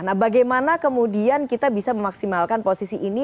nah bagaimana kemudian kita bisa memaksimalkan posisi ini